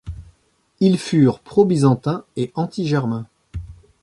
Ils furent pro-byzantin et anti-germain.